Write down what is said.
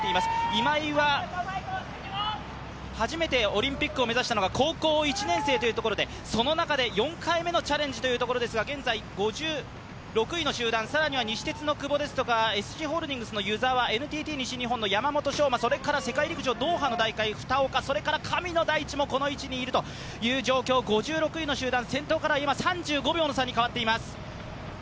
今井は初めてオリンピックを目指したのが高校１年生というところでその中で４回目のチャレンジというところですが、現在５６位の集団、さらには西鉄の久保ですとかＳＧホールディングスの湯澤、ＮＴＴ西日本の山本翔馬、それから世界陸上ドーハの二岡、そして神野大地もこの位置にいるという状況５６位の集団、先頭から今、３５秒の差に変わっています。